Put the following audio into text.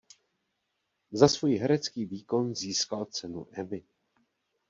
Za svůj herecký výkon získal cenu Emmy.